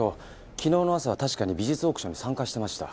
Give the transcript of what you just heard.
昨日の朝確かに美術オークションに参加してました。